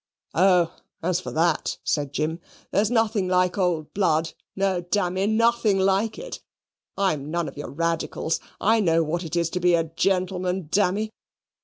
"Oh, as for that," said Jim, "there's nothing like old blood; no, dammy, nothing like it. I'm none of your radicals. I know what it is to be a gentleman, dammy.